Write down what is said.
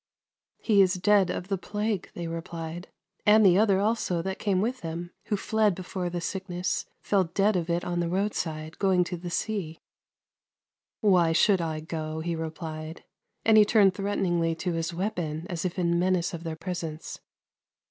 "" He is dead of the plague," they replied, " and the other also that came with him, who fled before the sickness, fell dead Of it on the roadside, going to the sea." "Why should I go?" he replied, and he turned threateningly to his weapon, as if in menace of their presence.